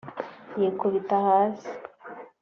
yikubita hasi